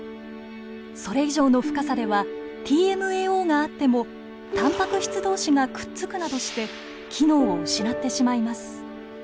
それ以上の深さではＴＭＡＯがあってもたんぱく質同士がくっつくなどして機能を失ってしまいます。